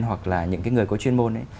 hoặc là những người có chuyên môn